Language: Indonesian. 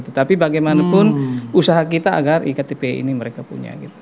tetapi bagaimanapun usaha kita agar iktp ini mereka punya gitu